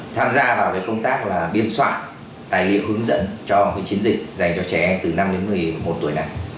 tham gia vào cái công tác là biên soạn tài liệu hướng dẫn cho cái chiến dịch dành cho trẻ từ năm đến một mươi một tuổi này